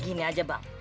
gini aja bang